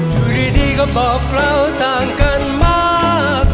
อยู่ดีก็บอกเราต่างกันมาก